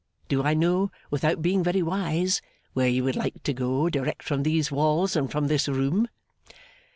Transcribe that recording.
Do I know, without being very wise, where you would like to go, direct from these walls and from this room?